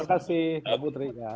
oke terima kasih pak putri